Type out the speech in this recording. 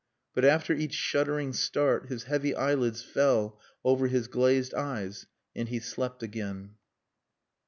But after each shuddering start his heavy eyelids fell over his glazed eyes and he slept again.